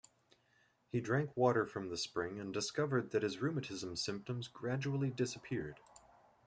He drank water from the spring and discovered that his rheumatism symptoms gradually disappeared.